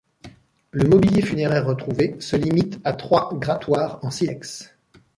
Le mobilier funéraire retrouvé se limite à trois grattoirs en silex.